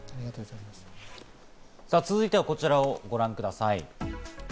さぁ、続いてはこちらをご覧ください。